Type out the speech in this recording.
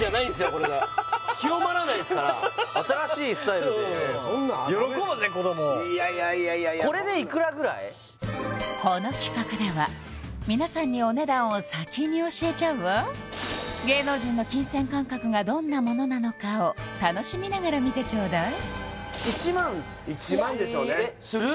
これが清まらないですから新しいスタイルでそんないやいやこの企画では皆さんにお値段を先に教えちゃうわ芸能人の金銭感覚がどんなものなのかを楽しみながら見てちょうだい１００００でしょうねする？